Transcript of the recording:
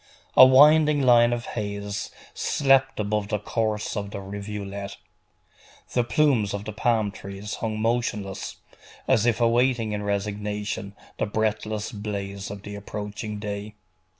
A winding line of haze slept above the course of the rivulet. The plumes of the palm trees hung motionless, as if awaiting in resignation the breathless blaze of the approaching day.